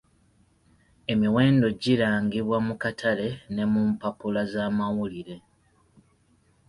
Emiwendo girangibwa mu katale ne mu mpapula z'amawulire.